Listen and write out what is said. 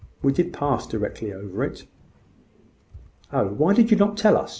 We did pass directly over it." "Oh, why did you not tell us?